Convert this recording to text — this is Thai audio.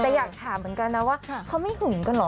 แต่อยากถามเหมือนกันนะว่าเขาไม่หึงกันเหรอ